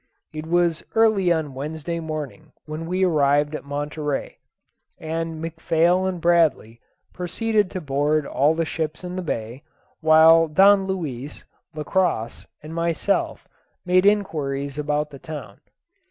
It was early on Wednesday morning when we arrived at Monterey; and McPhail and Bradley proceeded to board all the ships in the bay, while Don Luis, Lacosse, and myself made inquiries about the town.